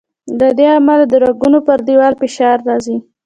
له دې امله د رګونو پر دیوال فشار راځي.